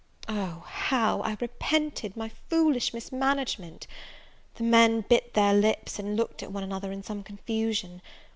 Oh, how I repented my foolish mismanagement! The men bit their lips, and looked at one another in some confusion.